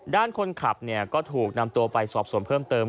ด้านคนขับก็ถูกนำตัวไปสอบส่วนเพิ่มเติม